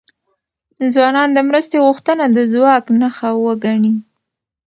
ځوانان د مرستې غوښتنه د ځواک نښه وګڼي.